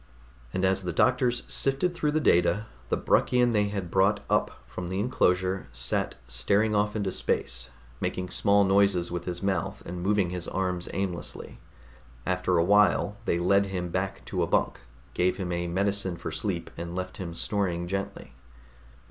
And as the doctors sifted through the data, the Bruckian they had brought up from the enclosure sat staring off into space, making small noises with his mouth and moving his arms aimlessly. After a while they led him back to a bunk, gave him a medicine for sleep and left him snoring gently.